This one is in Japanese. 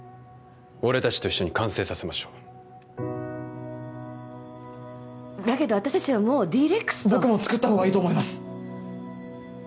俺達と一緒に完成させましょうだけど私達はもうＤ−ＲＥＸと僕も作った方がいいと思います